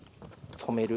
止める。